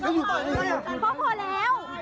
พ่อพอแล้ว